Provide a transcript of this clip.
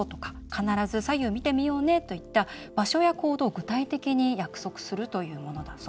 必ず左右見てみようねといった場所や行動を具体的に約束するというものだそうです。